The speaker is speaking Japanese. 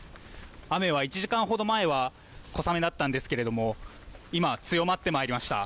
雨は１時間ほど前は小雨だったんですけれども今は強まってまいりました。